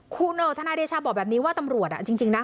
คุณทนายเดชาบอกแบบนี้ว่าตำรวจจริงนะ